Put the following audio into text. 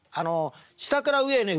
下から上へね